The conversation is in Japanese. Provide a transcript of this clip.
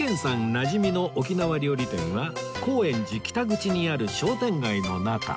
なじみの沖縄料理店は高円寺北口にある商店街の中